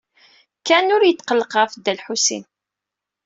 Ken ur yetqelleq ɣef Dda Lḥusin.